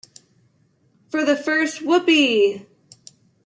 For the first Whoopee!